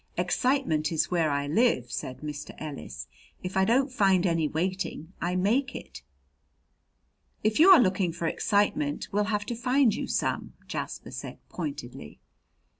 "Excitement is where I live," said Mr. Ellis. "If I don't find any waiting I make it." "If you are looking for excitement, we'll have to find you some," Jasper said pointedly.